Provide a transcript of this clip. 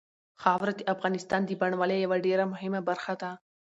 خاوره د افغانستان د بڼوالۍ یوه ډېره مهمه برخه ده.